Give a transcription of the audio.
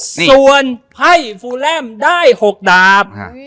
ส่วนไพ่ฟูแลมได้๖ดาบ